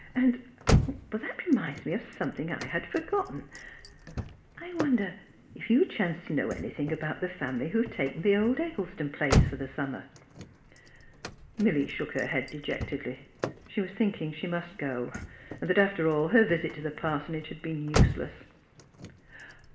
'' And — that reminds me of something I had forgotten: I wonder if you chance to know anything about the family who have taken the old Eggleston place for the summer? " Milly shook her head dejectedly. She was thinking she must go ; and that, after all, her visit to the parsonage had been useless.